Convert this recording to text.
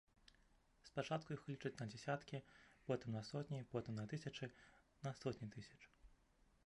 Спачатку іх лічаць на дзесяткі, потым на сотні, потым на тысячы, на сотні тысяч.